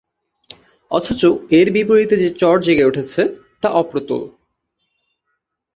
অথচ এর বিপরীতে যে চর জেগে উঠছে, তা অপ্রতুল।